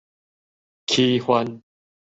起番